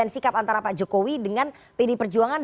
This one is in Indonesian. sikap antara pak jokowi dengan pd perjuangan